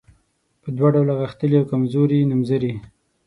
په دوه ډوله دي غښتلي او کمزوري نومځري.